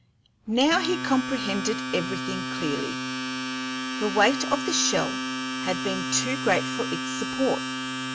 Now he comprehended everything clearly. The weight of the shell had been too great for its supports.